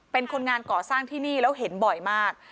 เป็นคนงานก่อสร้างที่นี่แล้วเห็นบ่อยมาก